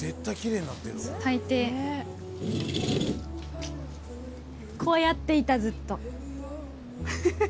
大抵、こうやっていた、ずっと。